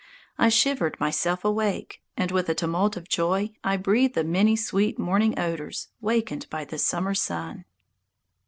I shivered myself awake, and with a tumult of joy I breathed the many sweet morning odours wakened by the summer sun.